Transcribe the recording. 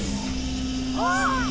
あっ！